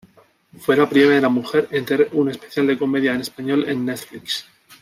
Fue la primera mujer en tener un especial de comedia en español en Netflix.